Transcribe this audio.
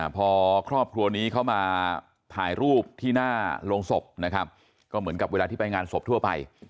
พอครอบครัวนี้เขามาถ่ายรูปที่หน้าโรงศพนะครับก็เหมือนกับเวลาที่ไปงานศพทั่วไป